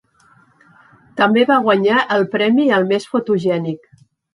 També va guanyar el premi al més fotogènic.